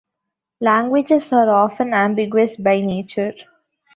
Languages are often ambiguous by nature.